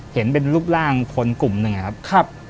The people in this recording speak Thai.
เห็นเป็นรูปร่างคนกลุ่มหนึ่งอะครับ